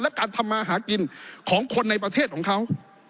และการทำมาหากินของคนในประเทศของเขา